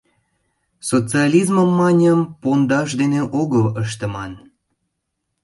Социализмым, маньым, пондаш дене огыл ыштыман.